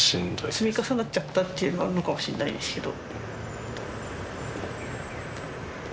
積み重なっちゃったっていうのはあるのかもしれないですけど。